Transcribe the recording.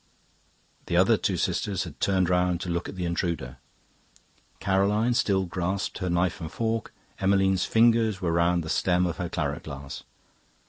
The other two sisters had turned round to look at the intruder. Caroline still grasped her knife and fork; Emmeline's fingers were round the stem of her claret glass.